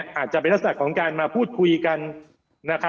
อาจจะเป็นลักษณะของการมาพูดคุยกัน